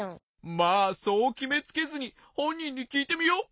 まあそうきめつけずにほんにんにきいてみよう。